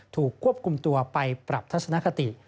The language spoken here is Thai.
ถูกควบคุมตัวไปปรับทัศนคติ